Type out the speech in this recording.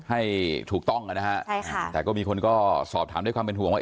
ให้ถูกต้องนะฮะใช่ค่ะแต่ก็มีคนก็สอบถามด้วยความเป็นห่วงว่า